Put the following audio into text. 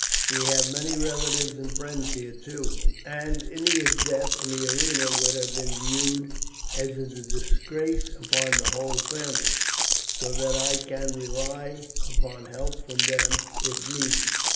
We have many relatives and friends here, too, and Ennia's death in the arena would have been viewed as a disgrace upon the whole family; so that I can rely upon help from them if need be.